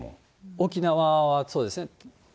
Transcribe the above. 沖縄はそうですね。